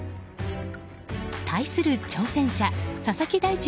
対する挑戦者、佐々木大地